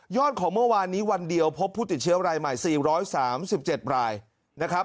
ของเมื่อวานนี้วันเดียวพบผู้ติดเชื้อรายใหม่๔๓๗รายนะครับ